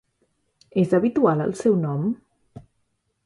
És habitual el seu nom?